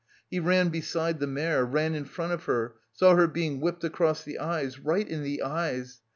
... He ran beside the mare, ran in front of her, saw her being whipped across the eyes, right in the eyes!